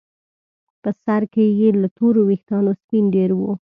په سر کې یې له تورو ویښتانو سپین ډیر وو.